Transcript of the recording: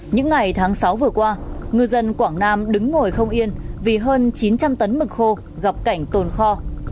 những ngày tháng sáu vừa qua ngư dân quảng nam đứng ngồi không yên vì hơn chín trăm linh tấn mực khô gặp cảnh tồn kho